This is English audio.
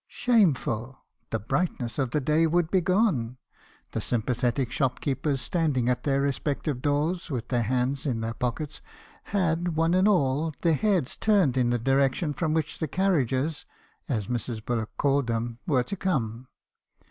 4 Shame ful! the brightness of the day would be gone.' The sympathetic shopkeepers standing at their respective doors with their hands in their pockets, had, one and all, their heads turned in the direction from which the carriages (as Mrs. Bullock called them) were to come.